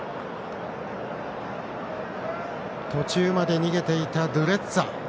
途中まで逃げていたドゥレッツァ。